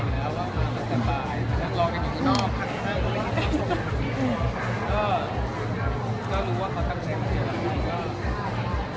ก็เห็นแล้วว่าคุณมันสบายเพราะฉะนั้นรอกันอยู่นอกคันข้างก็ไม่รู้ว่าเขาทำแบบนี้แล้ว